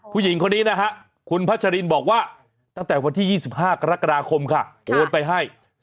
ผู้หญิงคนนี้นะฮะคุณพัชรินบอกว่าตั้งแต่วันที่๒๕กรกฎาคมค่ะโอนไปให้